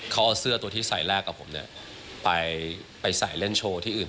เขาเอาเสื้อตัวที่ใส่แรกกับผมไปใส่เล่นโชว์ที่อื่น